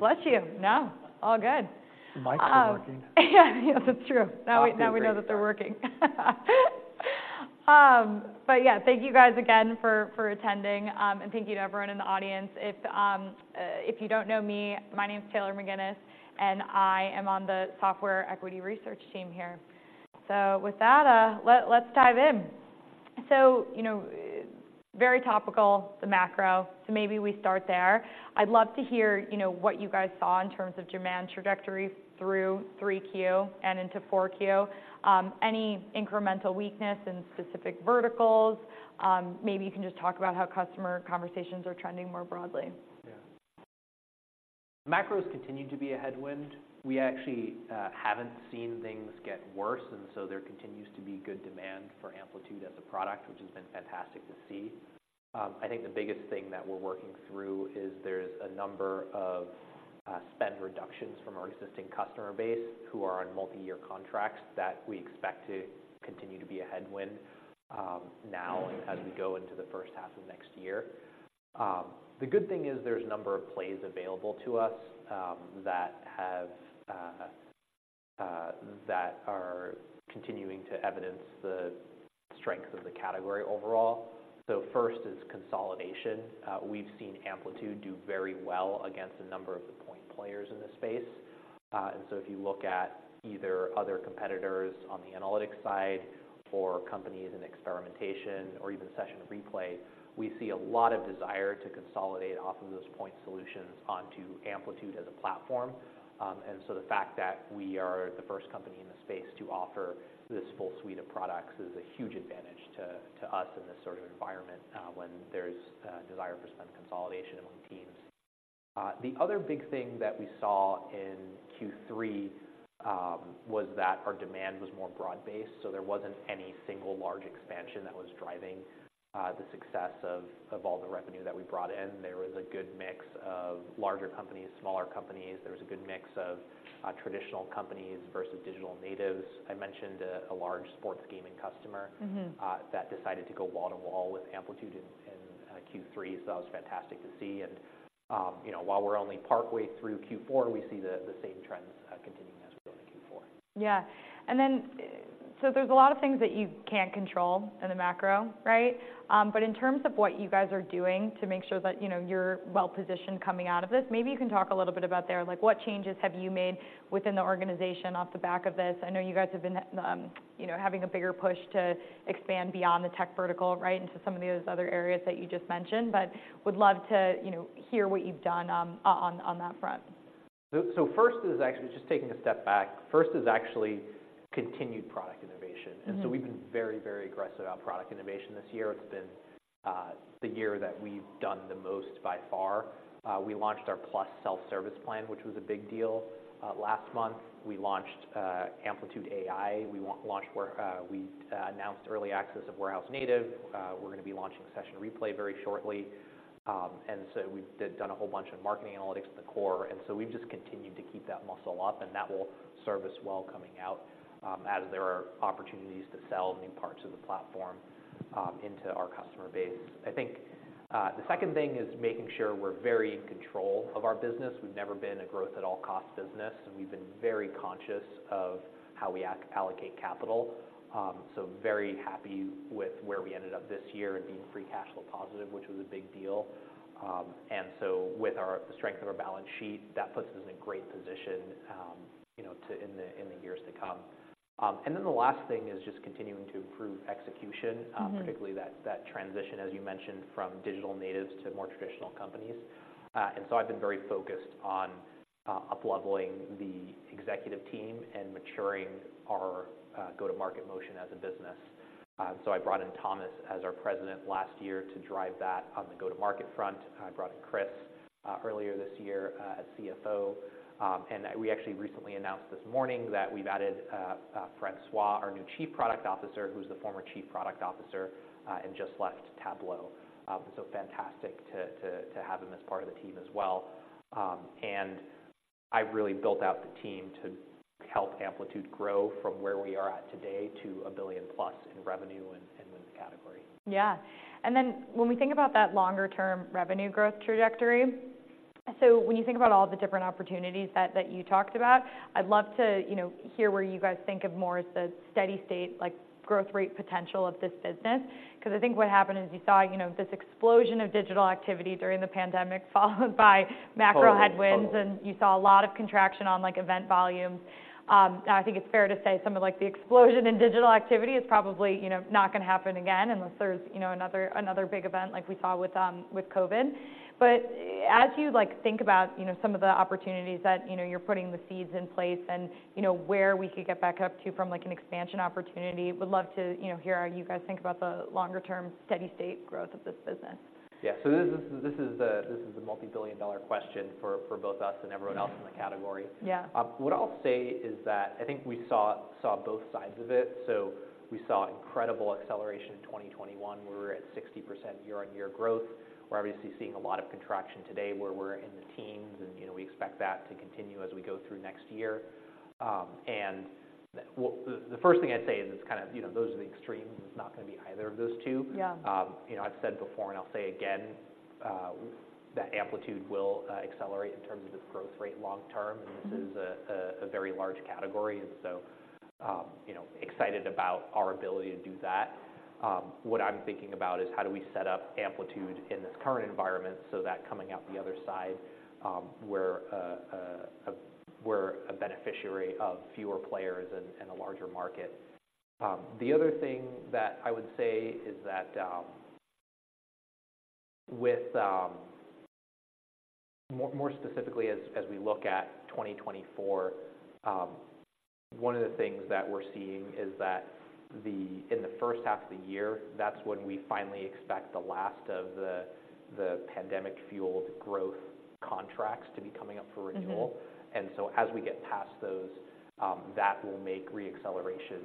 Now we know that they're working. But yeah, thank you guys again for attending, and thank you to everyone in the audience. If you don't know me, my name is Taylor McGinnis, and I am on the Software Equity Research team here. So with that, let's dive in. So, you know, very topical, the macro, so maybe we start there. I'd love to hear, you know, what you guys saw in terms of demand trajectories through 3Q and into 4Q. Any incremental weakness in specific verticals? Maybe you can just talk about how customer conversations are trending more broadly. Yeah. Macros continue to be a headwind. We actually haven't seen things get worse, and so there continues to be good demand for Amplitude as a product, which has been fantastic to see. I think the biggest thing that we're working through is there's a number of spend reductions from our existing customer base, who are on multi-year contracts, that we expect to continue to be a headwind now and as we go into the first half of next year. The good thing is there's a number of plays available to us that are continuing to evidence the strength of the category overall. So first, is consolidation. We've seen Amplitude do very well against a number of the point players in this space. If you look at either other competitors on the analytics side or companies in experimentation or even Session Replay, we see a lot of desire to consolidate off of those point solutions onto Amplitude as a platform. The fact that we are the first company in the space to offer this full suite of products is a huge advantage to us in this sort of environment, when there's a desire for spend consolidation among teams. The other big thing that we saw in Q3 was that our demand was more broad-based, so there wasn't any single large expansion that was driving the success of all the revenue that we brought in. There was a good mix of larger companies, smaller companies. There was a good mix of traditional companies versus digital natives. I mentioned a large sports gaming customer- Mm-hmm. that decided to go wall to wall with Amplitude in Q3, so that was fantastic to see. And, you know, while we're only partway through Q4, we see the same trends continuing as we go into Q4. Yeah. And then, so there's a lot of things that you can't control in the macro, right? But in terms of what you guys are doing to make sure that, you know, you're well positioned coming out of this, maybe you can talk a little bit about there. Like, what changes have you made within the organization off the back of this? I know you guys have been, you know, having a bigger push to expand beyond the tech vertical, right, into some of those other areas that you just mentioned, but would love to, you know, hear what you've done, on that front. So, first is actually just taking a step back. First is actually continued product innovation. Mm-hmm. And so we've been very, very aggressive about product innovation this year. It's been the year that we've done the most by far. We launched our Plus self-service plan, which was a big deal. Last month, we launched Amplitude AI. We announced early access of Warehouse Native. We're gonna be launching Session Replay very shortly. And so we've done a whole bunch of marketing analytics at the core, and so we've just continued to keep that muscle up, and that will serve us well coming out, as there are opportunities to sell new parts of the platform into our customer base. I think the second thing is making sure we're very in control of our business. We've never been a growth at all cost business, and we've been very conscious of how we allocate capital. So very happy with where we ended up this year and being free cash flow positive, which was a big deal. And so with our strength of our balance sheet, that puts us in a great position, you know, to, in the, in the years to come. And then the last thing is just continuing to improve execution- Mm-hmm... particularly that transition, as you mentioned, from digital natives to more traditional companies. And so I've been very focused on upleveling the executive team and maturing our go-to-market motion as a business. So I brought in Thomas as our President last year to drive that on the go-to-market front. I brought in Criss earlier this year as CFO. And we actually recently announced this morning that we've added Francois, our new Chief Product Officer, who's the former Chief Product Officer and just left Tableau. So fantastic to have him as part of the team as well. And I've really built out the team to help Amplitude grow from where we are at today to $1 billion plus in revenue and win the category. Yeah. And then when we think about that longer term revenue growth trajectory, so when you think about all the different opportunities that you talked about, I'd love to, you know, hear where you guys think of more as the steady state, like, growth rate potential of this business. 'Cause I think what happened is you saw, you know, this explosion of digital activity during the pandemic, followed by macro headwinds- Totally. And you saw a lot of contraction on, like, event volumes. And I think it's fair to say some of, like, the explosion in digital activity is probably, you know, not gonna happen again unless there's, you know, another, another big event like we saw with, with COVID. But as you, like, think about, you know, some of the opportunities that, you know, you're putting the seeds in place and, you know, where we could get back up to from, like, an expansion opportunity, would love to, you know, hear how you guys think about the longer term steady state growth of this business. Yeah. So this is the multi-billion dollar question for both us and everyone else in the category. Yeah. What I'll say is that I think we saw both sides of it. So we saw incredible acceleration in 2021, where we were at 60% year-on-year growth. We're obviously seeing a lot of contraction today, where we're in the teens and, you know, we expect that to continue as we go through next year. And the first thing I'd say is it's kind of, you know, those are the extremes. It's not gonna be either of those two. Yeah. You know, I've said before, and I'll say again, that Amplitude will accelerate in terms of its growth rate long term. Mm-hmm. This is a very large category, and so, you know, excited about our ability to do that. What I'm thinking about is how do we set up Amplitude in this current environment, so that coming out the other side, we're a beneficiary of fewer players and a larger market. The other thing that I would say is that, more specifically, as we look at 2024, one of the things that we're seeing is that in the first half of the year, that's when we finally expect the last of the pandemic-fueled growth contracts to be coming up for renewal. Mm-hmm. And so as we get past those, that will make re-acceleration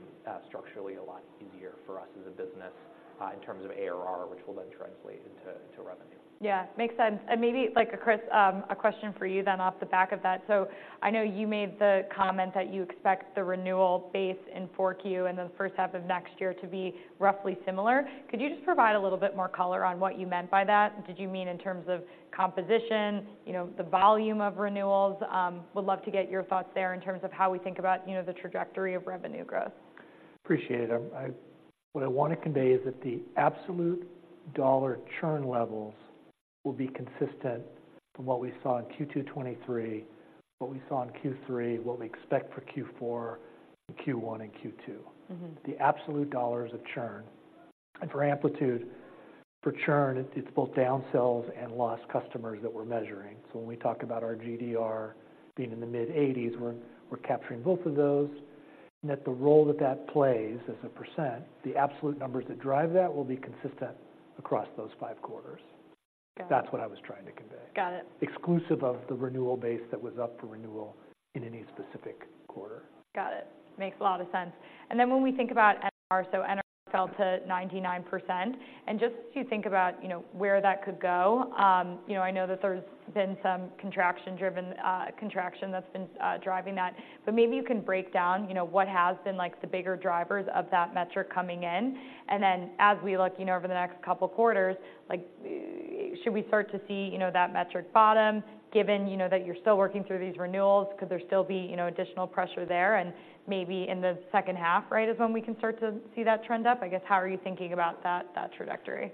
structurally a lot easier for us as a business, in terms of ARR, which will then translate into, into revenue. Yeah, makes sense. And maybe, like, Criss, a question for you then off the back of that. So I know you made the comment that you expect the renewal base in 4Q and the first half of next year to be roughly similar. Could you just provide a little bit more color on what you meant by that? Did you mean in terms of composition, you know, the volume of renewals? Would love to get your thoughts there in terms of how we think about, you know, the trajectory of revenue growth. Appreciate it. What I want to convey is that the absolute dollar churn levels will be consistent from what we saw in Q2 2023, what we saw in Q3, what we expect for Q4 and Q1 and Q2. Mm-hmm. The absolute dollars of churn. For Amplitude, for churn, it's both downsells and lost customers that we're measuring. When we talk about our GDR being in the mid-80's, we're, we're capturing both of those, and that the role that that plays as a percent, the absolute numbers that drive that will be consistent across those five quarters. Got it. That's what I was trying to convey. Got it. Exclusive of the renewal base that was up for renewal in any specific quarter. Got it. Makes a lot of sense. And then when we think about NRR, so NRR fell to 99%, and just as you think about, you know, where that could go, you know, I know that there's been some contraction-driven contraction that's been driving that, but maybe you can break down, you know, what has been like, the bigger drivers of that metric coming in. And then as we look, you know, over the next couple quarters, like, should we start to see, you know, that metric bottom, given, you know, that you're still working through these renewals? Could there still be, you know, additional pressure there and maybe in the second half, right, is when we can start to see that trend up? I guess, how are you thinking about that, that trajectory?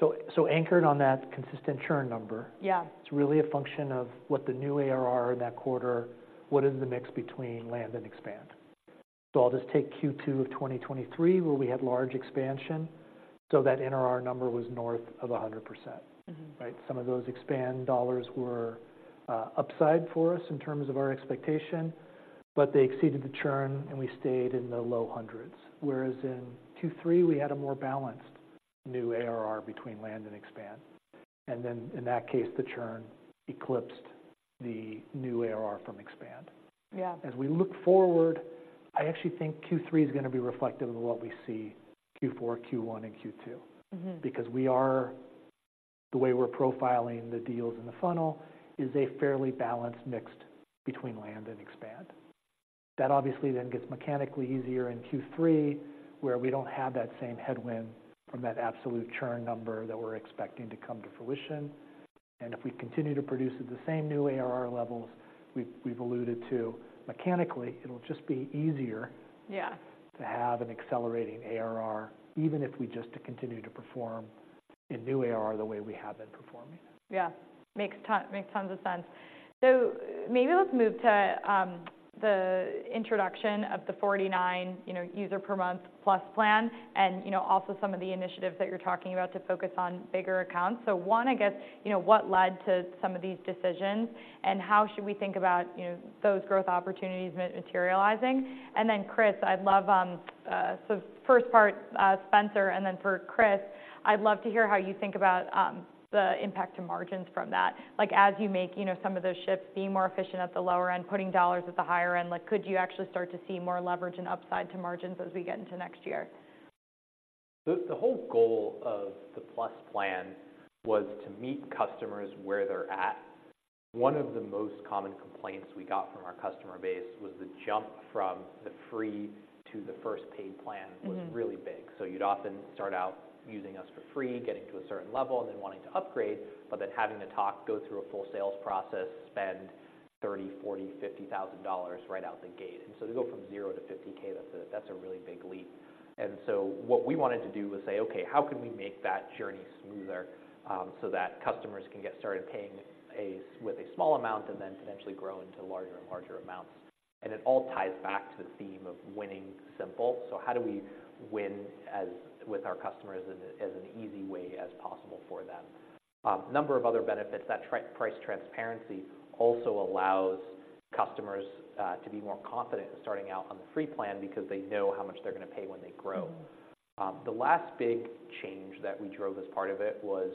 So, anchored on that consistent churn number- Yeah... It's really a function of what the new ARR in that quarter, what is the mix between land and expand? So I'll just take Q2 of 2023, where we had large expansion, so that NRR number was north of 100%. Mm-hmm. Right? Some of those expand dollars were upside for us in terms of our expectation, but they exceeded the churn, and we stayed in the low hundreds, whereas in Q3, we had a more balanced new ARR between land and expand. And then in that case, the churn eclipsed the new ARR from expand. Yeah. As we look forward, I actually think Q3 is gonna be reflective of what we see Q4, Q1, and Q2. Mm-hmm. Because we are the way we're profiling the deals in the funnel is a fairly balanced mix between land and expand. That obviously then gets mechanically easier in Q3, where we don't have that same headwind from that absolute churn number that we're expecting to come to fruition. And if we continue to produce at the same new ARR levels we've alluded to, mechanically, it'll just be easier- Yeah to have an accelerating ARR, even if we just continue to perform in new ARR the way we have been performing. Yeah. Makes tons of sense. So maybe let's move to the introduction of the $49, you know, user per month Plus Plan and, you know, also some of the initiatives that you're talking about to focus on bigger accounts. So one, I guess, you know, what led to some of these decisions, and how should we think about, you know, those growth opportunities materializing? And then, Criss, I'd love. So first part, Spenser, and then for Criss, I'd love to hear how you think about the impact to margins from that. Like, as you make, you know, some of those shifts, being more efficient at the lower end, putting dollars at the higher end, like, could you actually start to see more leverage and upside to margins as we get into next year? The whole goal of the Plus Plan was to meet customers where they're at. One of the most common complaints we got from our customer base was the jump from the free to the first paid plan- Mm-hmm... was really big. So you'd often start out using us for free, getting to a certain level, and then wanting to upgrade, but then having to talk, go through a full sales process, spend $30,000, $40,000, $50,000 right out the gate. And so to go from $0-50K, that's a really big leap. And so what we wanted to do was say, "Okay, how can we make that journey smoother, so that customers can get started paying with a small amount and then potentially grow into larger and larger amounts?" And it all ties back to the theme of winning simple. So how do we win with our customers in as an easy way as possible for them? Number of other benefits, price transparency also allows customers to be more confident in starting out on the free plan because they know how much they're gonna pay when they grow. Mm-hmm. The last big change that we drove as part of it was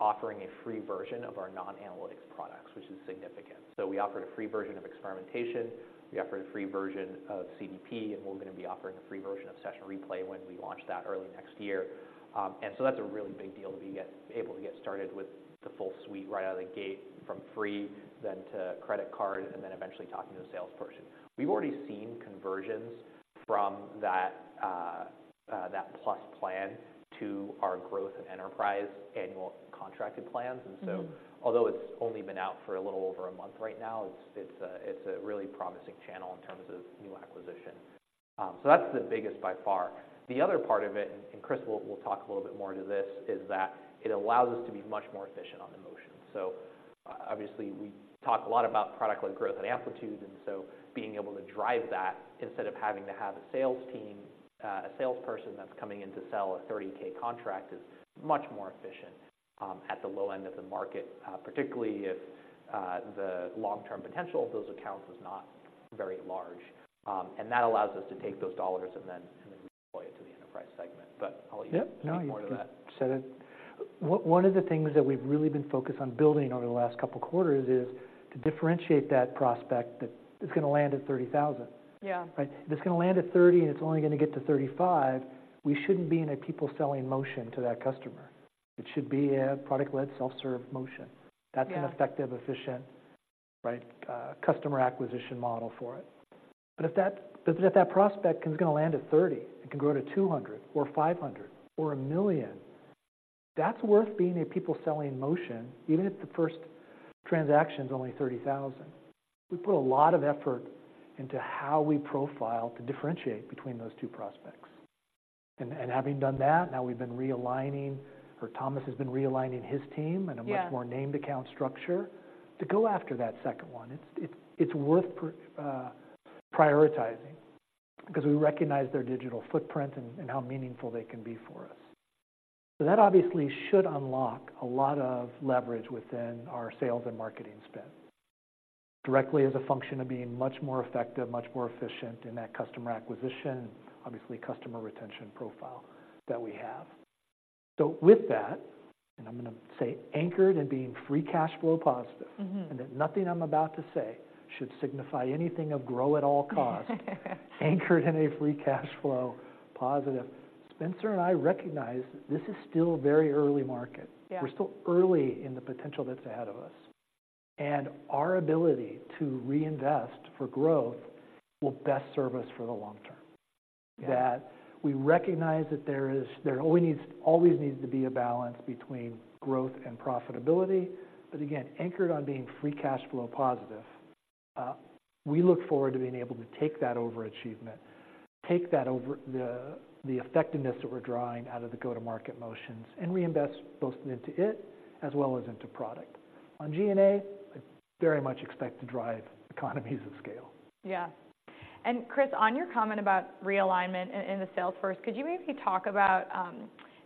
offering a free version of our non-analytics products, which is significant. So we offered a free version of experimentation, we offered a free version of CDP, and we're gonna be offering a free version of Session Replay when we launch that early next year. And so that's a really big deal, to be able to get started with the full suite right out of the gate from free, then to credit card, and then eventually talking to a salesperson. We've already seen conversions from that, that Plus Plan to our Growth and Enterprise annual contracted plans. Mm-hmm. Although it's only been out for a little over a month right now, it's a really promising channel in terms of new acquisition. So that's the biggest by far. The other part of it, and Criss will talk a little bit more to this, is that it allows us to be much more efficient on the motion. So obviously, we talk a lot about product-led growth and Amplitude, and so being able to drive that instead of having to have a sales team, a salesperson that's coming in to sell a $30K contract, is much more efficient at the low end of the market. Particularly if the long-term potential of those accounts is not very large. And that allows us to take those dollars and then deploy it to the enterprise segment. But I'll let you say more to that. Yep, no, you said it. One of the things that we've really been focused on building over the last couple quarters is to differentiate that prospect that is gonna land at 30,000. Yeah. Right? If it's gonna land at 30 and it's only gonna get to 35, we shouldn't be in a people selling motion to that customer. It should be a product-led, self-serve motion. Yeah. That's an effective, efficient, right, customer acquisition model for it. But if that prospect is gonna land at $30 and can grow to $200 or $500 or $1 million, that's worth being a people-selling motion, even if the first transaction's only $30,000. We put a lot of effort into how we profile to differentiate between those two prospects. And having done that, now we've been realigning, or Thomas has been realigning his team- Yeah... in a much more named account structure, to go after that second one. It's, it's, it's worth prioritizing, because we recognize their digital footprint and how meaningful they can be for us. So that obviously should unlock a lot of leverage within our sales and marketing spend, directly as a function of being much more effective, much more efficient in that customer acquisition, obviously, customer retention profile that we have. So with that, and I'm gonna say anchored in being free cash flow positive- Mm-hmm... and that nothing I'm about to say should signify anything of grow at all costs. Anchored in a free cash flow positive, Spenser and I recognize this is still very early market. Yeah. We're still early in the potential that's ahead of us, and our ability to reinvest for growth will best serve us for the long term. Yeah. That we recognize that there always needs to be a balance between growth and profitability, but again, anchored on being free cash flow positive, we look forward to being able to take that overachievement, take that over the effectiveness that we're drawing out of the go-to-market motions and reinvest both into it as well as into product. On G&A, I very much expect to drive economies of scale. Yeah. And Criss, on your comment about realignment in the sales force, could you maybe talk about...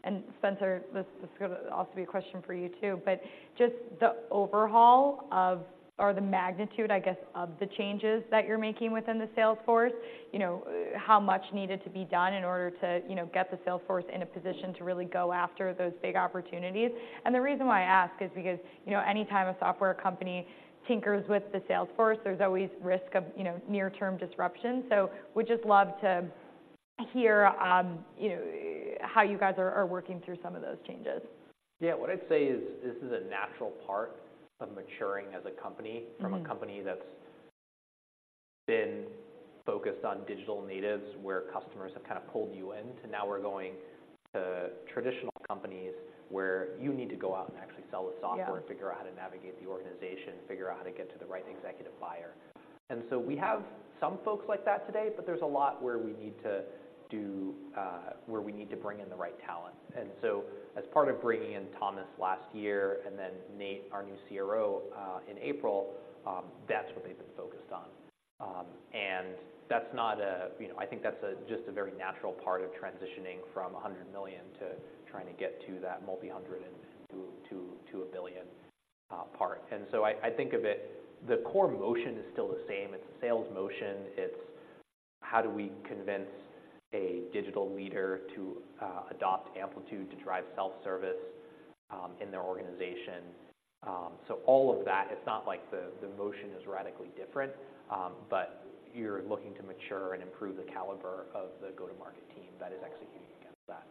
and Spenser, this is gonna also be a question for you, too, but just the overhaul of, or the magnitude, I guess, of the changes that you're making within the sales force. You know, how much needed to be done in order to, you know, get the sales force in a position to really go after those big opportunities? And the reason why I ask is because, you know, anytime a software company tinkers with the sales force, there's always risk of, you know, near-term disruption. So would just love to hear, you know, how you guys are working through some of those changes. Yeah. What I'd say is, this is a natural part of maturing as a company- Mm-hmm... from a company that's been focused on digital natives, where customers have kind of pulled you in, to now we're going to traditional companies, where you need to go out and actually sell the software- Yeah... figure out how to navigate the organization, figure out how to get to the right executive buyer. And so we have some folks like that today, but there's a lot where we need to do, where we need to bring in the right talent. And so as part of bringing in Thomas last year and then Nate, our new CRO, in April, that's what they've been focused on. And that's not a, you know, I think that's a, just a very natural part of transitioning from $100 million to trying to get to that multi-hundred million and to a $1 billion part. And so I think of it, the core motion is still the same. It's a sales motion. It's how do we convince a digital leader to adopt Amplitude to drive self-service in their organization? All of that, it's not like the motion is radically different, but you're looking to mature and improve the caliber of the go-to-market team that is executing against that.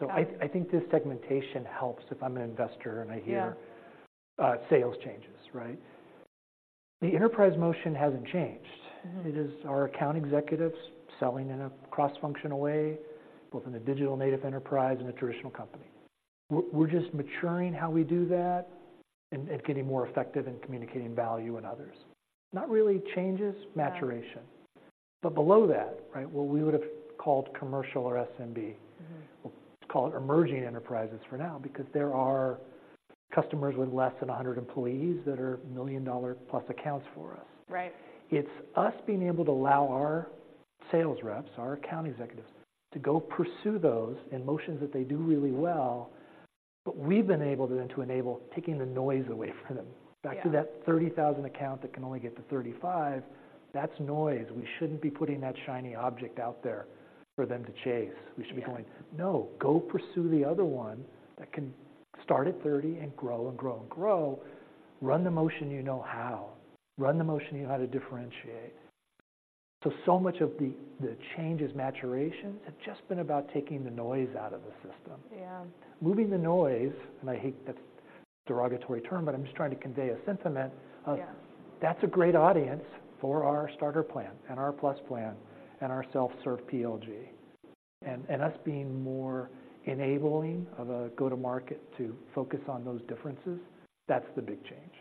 Got it. So I think this segmentation helps if I'm an investor and I hear- Yeah... sales changes, right? The enterprise motion hasn't changed. Mm-hmm. It is our account executives selling in a cross-functional way, both in a digital native enterprise and a traditional company. We're just maturing how we do that and getting more effective in communicating value and others. Not really changes- Yeah ...maturation. But below that, right, what we would have called commercial or SMB- Mm-hmm... we'll call it emerging enterprises for now, because there are customers with less than 100 employees that are million-dollar plus accounts for us. Right. It's us being able to allow our sales reps, our account executives, to go pursue those in motions that they do really well, but we've enabled them to enable taking the noise away from them. Yeah. Back to that 30,000 account that can only get to 35, that's noise. We shouldn't be putting that shiny object out there for them to chase. Yeah. We should be going, "No, go pursue the other one that can start at 30 and grow and grow and grow. Run the motion you know how. Run the motion you know how to differentiate." So, so much of the changes maturation have just been about taking the noise out of the system. Yeah. Moving the noise, and I hate that derogatory term, but I'm just trying to convey a sentiment of- Yeah That's a great audience for our Starter plan, and our Plus Plan, and our self-serve PLG. Us being more enabling of a go-to-market to focus on those differences, that's the big change.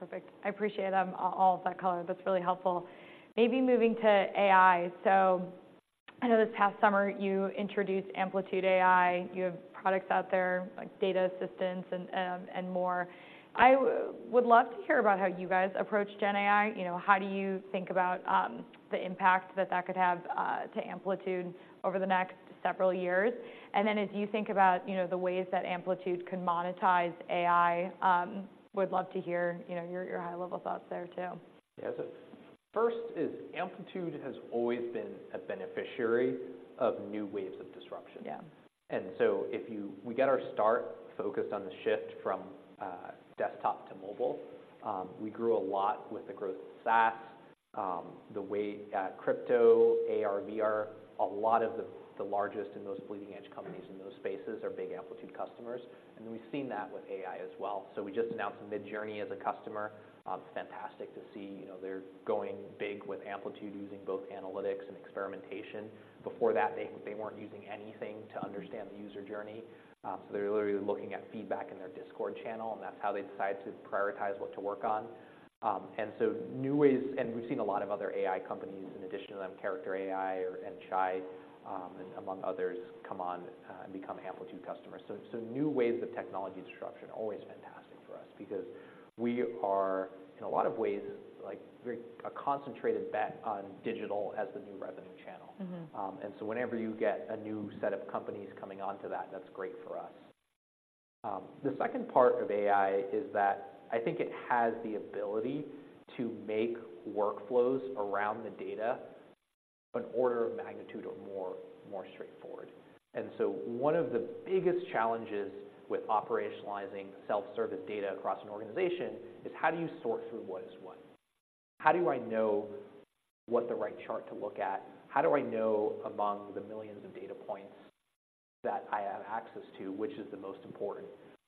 Perfect. I appreciate all of that color. That's really helpful. Maybe moving to AI. So I know this past summer you introduced Amplitude AI. You have products out there, like data assistants and, and more. I would love to hear about how you guys approach GenAI. You know, how do you think about the impact that that could have to Amplitude over the next several years? And then as you think about, you know, the ways that Amplitude can monetize AI, would love to hear, you know, your, your high-level thoughts there, too. Yeah, so first is Amplitude has always been a beneficiary of new waves of disruption. Yeah. And so we get our start focused on the shift from desktop to mobile. We grew a lot with the growth of SaaS, the way crypto, AR, VR, a lot of the largest and most bleeding-edge companies in those spaces are big Amplitude customers, and we've seen that with AI as well. So we just announced Midjourney as a customer. Fantastic to see, you know, they're going big with Amplitude, using both analytics and experimentation. Before that, they weren't using anything to understand the user journey. So they're literally looking at feedback in their Discord channel, and that's how they decide to prioritize what to work on. And so new ways... We've seen a lot of other AI companies in addition to them, Character AI, and Chai, and among others, and become Amplitude customers. So new waves of technology disruption, always fantastic for us because we are, in a lot of ways, like, very a concentrated bet on digital as the new revenue channel. Mm-hmm. and so whenever you get a new set of companies coming onto that, that's great for us. The second part of AI is that I think it has the ability to make workflows around the data an order of magnitude or more, more straightforward. And so one of the biggest challenges with operationalizing self-service data across an organization is: how do you sort through what is what? How do I know what the right chart to look at? How do I know, among the millions of data points that I have access to, which is the most important?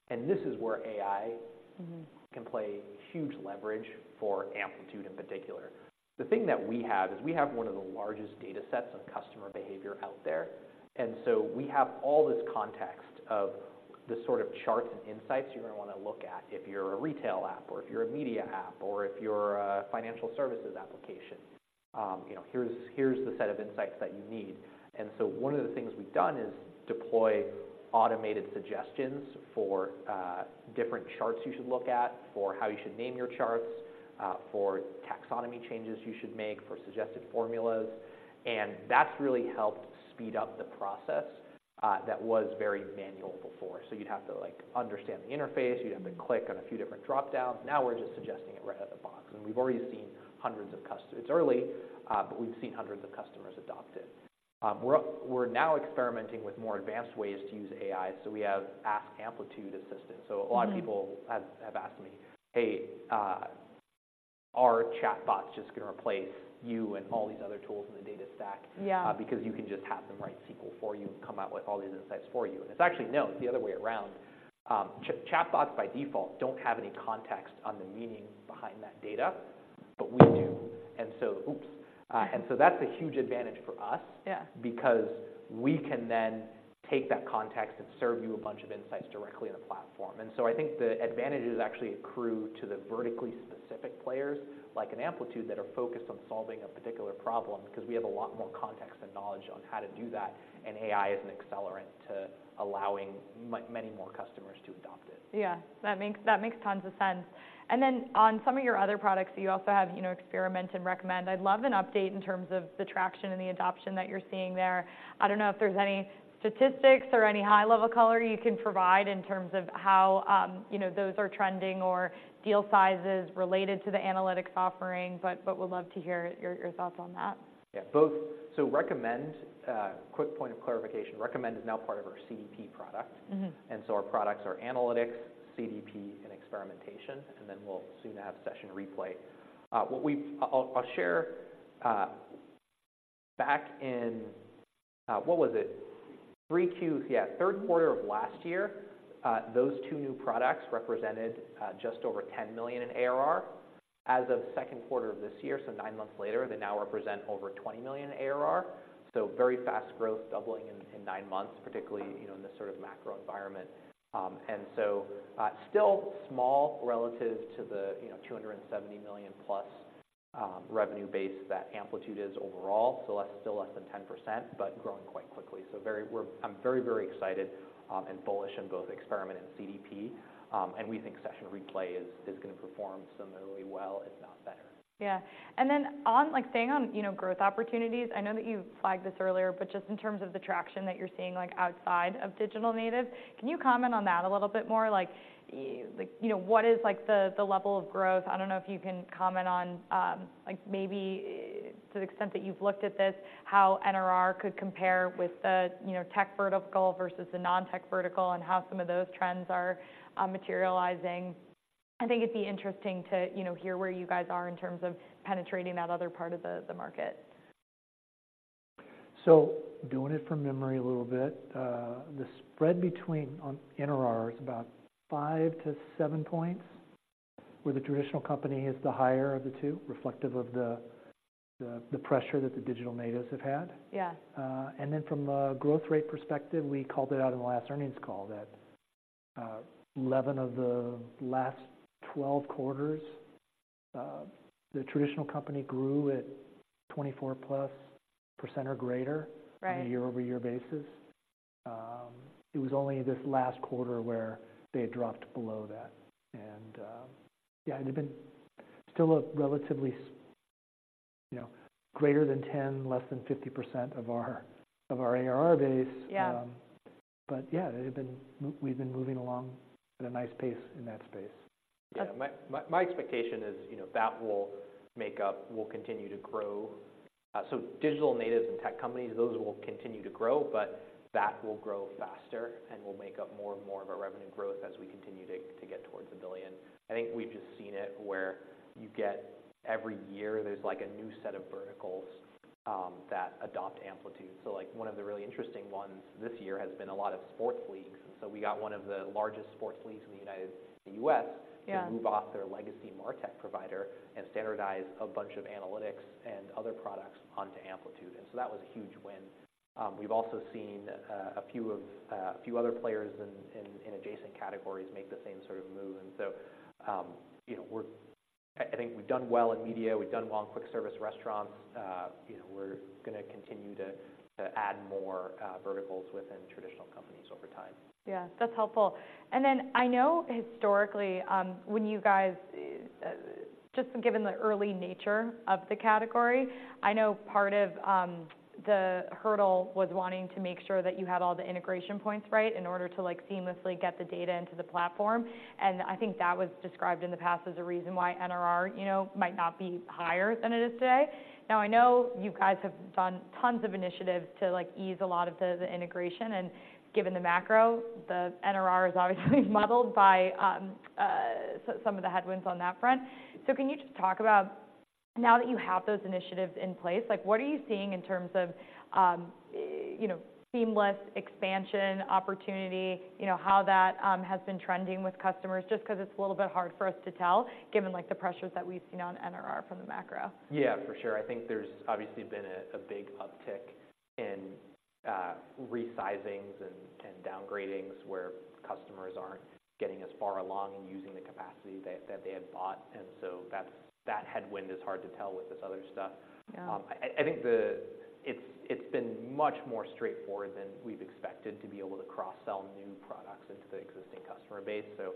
And this is where AI- Mm-hmm... can play huge leverage for Amplitude in particular. The thing that we have is we have one of the largest data sets of customer behavior out there, and so we have all this context of the sort of charts and insights you're gonna wanna look at. If you're a retail app, or if you're a media app, or if you're a financial services application, you know, here's the set of insights that you need. And so one of the things we've done is deploy automated suggestions for different charts you should look at, for how you should name your charts, for taxonomy changes you should make, for suggested formulas, and that's really helped speed up the process that was very manual before. So you'd have to, like, understand the interface, you'd have to click on a few different dropdowns. Now we're just suggesting it right out of the box, and we've already seen hundreds of customers. It's early, but we've seen hundreds of customers adopt it. We're now experimenting with more advanced ways to use AI, so we have Ask Amplitude Assistant. Mm-hmm. A lot of people have asked me, "Hey, are chatbots just gonna replace you and all these other tools in the data stack? Yeah. Because you can just have them write SQL for you and come out with all these insights for you." And it's actually, no, it's the other way around. Chatbots by default don't have any context on the meaning behind that data, but we do. And so... Oops. Mm-hmm. And so that's a huge advantage for us. Yeah Because we can then take that context and serve you a bunch of insights directly on the platform. And so I think the advantages actually accrue to the vertically specific players, like in Amplitude, that are focused on solving a particular problem, 'cause we have a lot more context and knowledge on how to do that, and AI is an accelerant to allowing many more customers to adopt it. Yeah, that makes tons of sense. And then on some of your other products, you also have, you know, Experiment and Recommend. I'd love an update in terms of the traction and the adoption that you're seeing there. I don't know if there's any statistics or any high-level color you can provide in terms of how, you know, those are trending or deal sizes related to the analytics offering, but would love to hear your thoughts on that. Yeah. Both, so Recommend, quick point of clarification, Recommend is now part of our CDP product. Mm-hmm. And so our products are Analytics, CDP, and Experimentation, and then we'll soon have Session Replay. What we've... I'll share back in, what was it? Three Qs, yeah, third quarter of last year, those two new products represented just over $10 million in ARR. As of second quarter of this year, so nine months later, they now represent over $20 million in ARR. So very fast growth, doubling in nine months, particularly, you know, in this sort of macro environment. And so, still small relative to the, you know, $270 million-plus revenue base that Amplitude is overall, so less, still less than 10%, but growing quite quickly. I'm very, very excited and bullish in both Experiment and CDP, and we think Session Replay is gonna perform similarly well, if not better. Yeah. And then on, like, staying on, you know, growth opportunities, I know that you flagged this earlier, but just in terms of the traction that you're seeing, like, outside of digital native, can you comment on that a little bit more? Like, like, you know, what is, like, the, the level of growth? I don't know if you can comment on, like maybe to the extent that you've looked at this, how NRR could compare with the, you know, tech vertical versus the non-tech vertical, and how some of those trends are, materializing. I think it'd be interesting to, you know, hear where you guys are in terms of penetrating that other part of the, the market.... So doing it from memory a little bit, the spread between on NRR is about 5-7 points, where the traditional company is the higher of the two, reflective of the pressure that the Digital Natives have had. Yeah. And then from a growth rate perspective, we called it out in the last earnings call, that 11 of the last 12 quarters, the traditional company grew at 24%+ or greater- Right on a year-over-year basis. It was only this last quarter where they had dropped below that. And, yeah, they've been still a relatively, you know, greater than 10, less than 50% of our, of our ARR base. Yeah. But yeah, they've been, we've been moving along at a nice pace in that space. Yeah. Yeah. My expectation is, you know, that will make up, will continue to grow. So digital natives and tech companies, those will continue to grow, but that will grow faster and will make up more and more of our revenue growth as we continue to get towards $1 billion. I think we've just seen it where you get every year, there's, like, a new set of verticals that adopt Amplitude. So, like, one of the really interesting ones this year has been a lot of sports leagues. So we got one of the largest sports leagues in the U.S.- Yeah -to move off their legacy martech provider and standardize a bunch of analytics and other products onto Amplitude, and so that was a huge win. We've also seen a few other players in adjacent categories make the same sort of move. And so, you know, we're... I think we've done well in media, we've done well in quick service restaurants. You know, we're gonna continue to add more verticals within traditional companies over time. Yeah, that's helpful. And then I know historically, when you guys just given the early nature of the category, I know part of the hurdle was wanting to make sure that you had all the integration points right in order to, like, seamlessly get the data into the platform. And I think that was described in the past as a reason why NRR, you know, might not be higher than it is today. Now, I know you guys have done tons of initiatives to, like, ease a lot of the integration, and given the macro, the NRR is obviously muddled by some of the headwinds on that front. So can you just talk about, now that you have those initiatives in place, like, what are you seeing in terms of, you know, seamless expansion, opportunity, you know, how that has been trending with customers? Just 'cause it's a little bit hard for us to tell, given, like, the pressures that we've seen on NRR from the macro. Yeah, for sure. I think there's obviously been a big uptick in resizings and downgradings, where customers aren't getting as far along in using the capacity that they had bought, and so that's that headwind is hard to tell with this other stuff. Yeah. I think it's been much more straightforward than we've expected to be able to cross-sell new products into the existing customer base. So,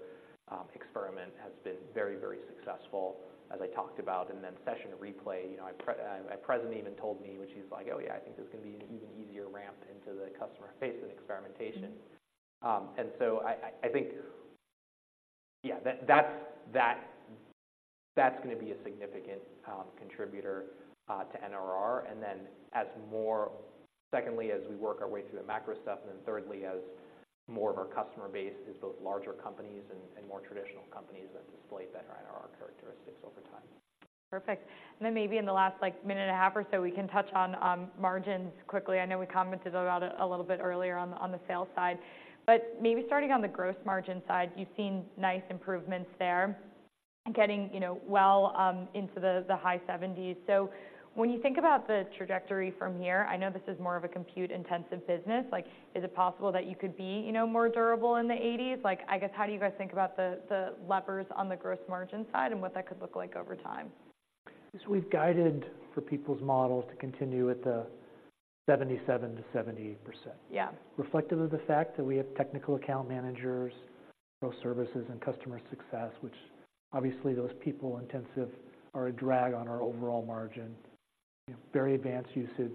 Experiment has been very, very successful, as I talked about, and then Session Replay. You know, my president even told me, which he's like: "Oh, yeah, I think this is gonna be an even easier ramp into the customer base than experimentation. Mm-hmm. And so I think that's gonna be a significant contributor to NRR. And then as more... secondly, as we work our way through the macro stuff, and then thirdly, as more of our customer base is both larger companies and more traditional companies that display better NRR characteristics over time. Perfect. And then maybe in the last, like, minute and a half or so, we can touch on margins quickly. I know we commented about it a little bit earlier on the sales side. But maybe starting on the gross margin side, you've seen nice improvements there, getting, you know, well into the high 70s%. So when you think about the trajectory from here, I know this is more of a compute-intensive business, like, is it possible that you could be, you know, more durable in the 80s%? Like, I guess, how do you guys think about the levers on the gross margin side and what that could look like over time? So we've guided for people's models to continue at the 77%-78%. Yeah. Reflective of the fact that we have technical account managers, pro services, and customer success, which obviously those people-intensive are a drag on our overall margin. Very advanced usage.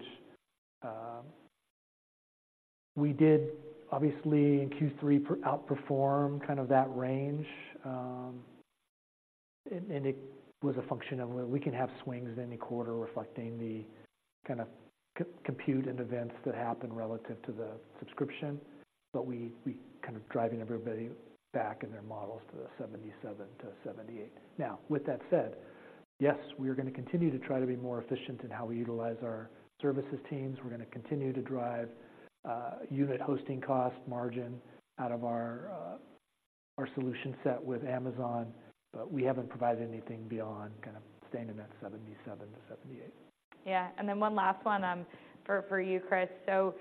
We did, obviously, in Q3, outperform kind of that range, and it was a function of where we can have swings in any quarter reflecting the kind of compute and events that happen relative to the subscription, but we kind of driving everybody back in their models to the 77-78. Now, with that said, yes, we are gonna continue to try to be more efficient in how we utilize our services teams. We're gonna continue to drive unit hosting cost margin out of our solution set with Amazon, but we haven't provided anything beyond kind of staying in that 77-78. Yeah. And then one last one, for you, Criss. So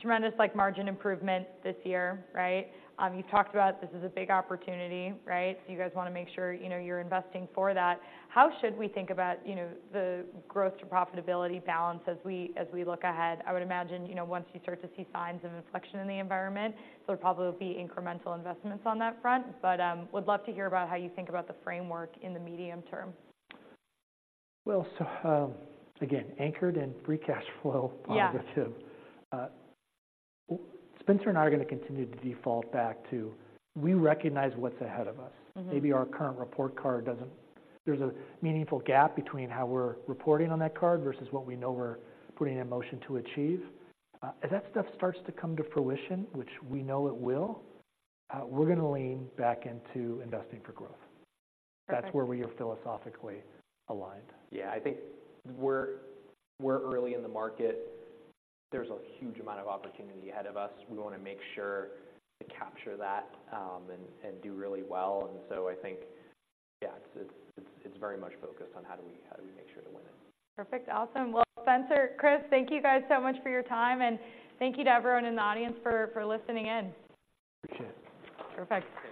tremendous, like, margin improvement this year, right? You've talked about this is a big opportunity, right? So you guys wanna make sure, you know, you're investing for that. How should we think about, you know, the growth to profitability balance as we, as we look ahead? I would imagine, you know, once you start to see signs of inflection in the environment, there probably will be incremental investments on that front, but, would love to hear about how you think about the framework in the medium term. Well, so, again, anchored in free cash flow. Yeah ... Spenser and I are gonna continue to default back to, we recognize what's ahead of us. Mm-hmm. Maybe our current report card. There's a meaningful gap between how we're reporting on that card versus what we know we're putting in motion to achieve. As that stuff starts to come to fruition, which we know it will, we're gonna lean back into investing for growth. Perfect. That's where we are philosophically aligned. Yeah. I think we're early in the market. There's a huge amount of opportunity ahead of us. We wanna make sure to capture that, and do really well. And so I think, yeah, it's very much focused on how do we make sure to win it? Perfect. Awesome. Well, Spenser, Criss, thank you guys so much for your time, and thank you to everyone in the audience for listening in. Appreciate it. Perfect.